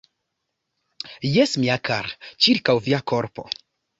Jes, mia kara, ĉirkaŭ via korpo.